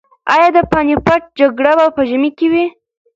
ایا د پاني پت جګړه په ژمي کې وه؟